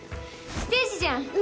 ステージじゃん！